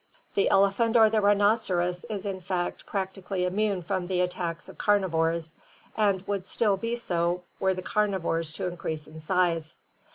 The elephant or the rhinoceros is in fact prac tically immune from the attacks of carnivora, and would still be so were the carnivora to increase in size.